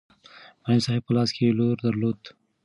معلم صاحب په لاس کې لور درلود.